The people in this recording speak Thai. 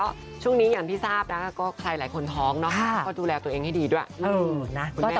ก็ช่วงนี้อย่างที่ทราบนะก็ใครหลายคนท้องเนาะก็ดูแลตัวเองให้ดีด้วยนะ